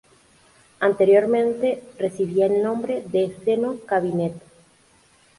Anteriormente recibía el nombre de seno Cabinet.